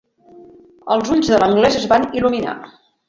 Els ulls de l'anglès es van il·luminar.